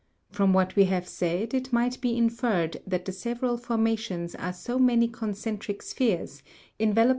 From what we have said it might be inferred that the several formations are so many concentric spheres, enveloping 1.